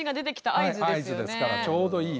合図ですからちょうどいい。